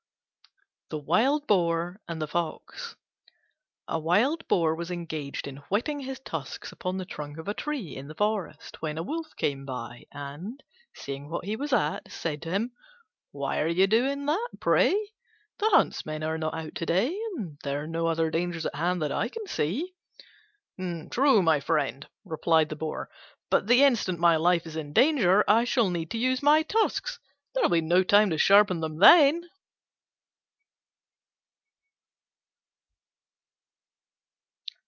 THE WILD BOAR AND THE FOX A Wild Boar was engaged in whetting his tusks upon the trunk of a tree in the forest when a Fox came by and, seeing what he was at, said to him, "Why are you doing that, pray? The huntsmen are not out to day, and there are no other dangers at hand that I can see." "True, my friend," replied the Boar, "but the instant my life is in danger I shall need to use my tusks. There'll be no time to sharpen them then."